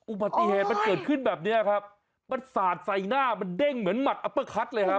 อุบัติเหตุมันเกิดขึ้นแบบเนี้ยครับมันสาดใส่หน้ามันเด้งเหมือนหมัดอัปเปอร์คัทเลยครับ